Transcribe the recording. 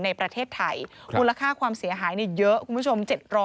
ในประเทศไทยมูลค่าความเสียหายเยอะคุณผู้ชม